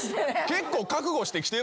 結構。